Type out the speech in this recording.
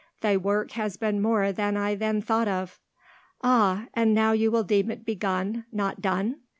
Thy work has been more than I then thought of." "Ah! and now will you deem it begun—not done!"